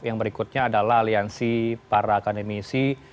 yang berikutnya adalah aliansi para akademisi